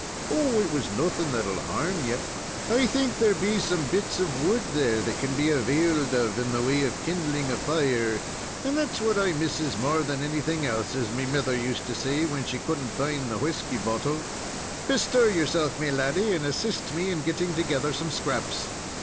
"Oh! it was nothing that will harm ye: I think there be some bits of wood there that kin be availed of in the way of kindling a fire, and that's what I misses more than anything else, as me mither used to say when she couldn't find the whisky bottle. Bestir yourself, me laddy, and assist me in getting together some scraps."